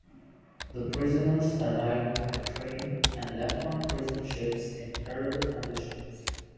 The prisoners arrived by train and left on prison ships in terrible conditions.